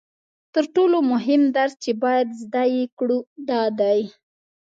تر ټولو مهم درس چې باید زده یې کړو دا دی